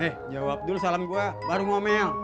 eh jawab dulu salam gue baru ngomel